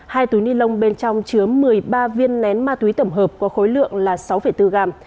hai túi ni lông bên trong chứa một mươi ba viên nén ma túy tổng hợp có khối lượng là sáu bốn gram